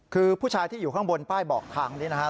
คือผู้ชายที่อยู่ข้างบนป้ายบอกทางนี้นะครับ